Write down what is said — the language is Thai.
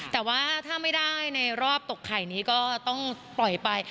แต่ว่าถ้าไม่ได้ในรอบตกไข่นี้ก็ต้องปล่อยไป